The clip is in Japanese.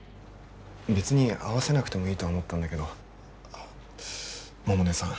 別に合わせなくてもいいとは思ったんだけど百音さん。